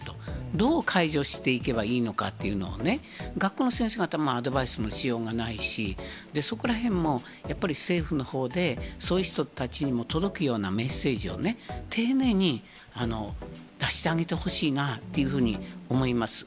どう解除していけばいいのかというのをね、学校の先生方もアドバイスのしようがないし、そこらへんもやっぱり政府のほうで、そういう人たちにも届くようなメッセージを、丁寧に出してあげてほしいなっていうふうに思います。